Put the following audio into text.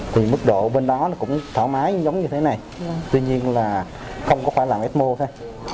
thì mức độ bên đó cũng thoải mái giống như thế này tuy nhiên là không có khoa làm ecmo thôi